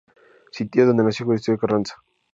Sitio donde nació Venustiano Carranza.